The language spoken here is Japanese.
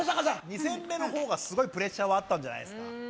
２戦目のほうが、すごいプレッシャーはあったんじゃないですか？